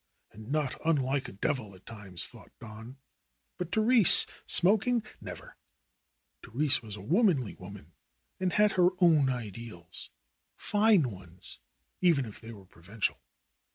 and not unlike a devil at times thought Don. But Therese smoking — never ! Therese was a womanly woman and had her own ideals — fine ones, even if they were provincial.